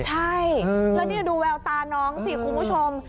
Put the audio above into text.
ใช่แล้วนี่ดูแววตาน้องสิคุณผู้ชม